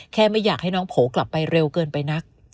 ไม่อยากให้น้องโผล่กลับไปเร็วเกินไปนัก